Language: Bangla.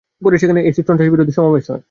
পরে সেখানে অ্যাসিড সন্ত্রাসবিরোধী সমাবেশ হয়।